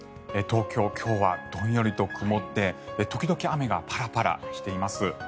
東京、今日はどんよりと曇って時々雨がパラパラしています。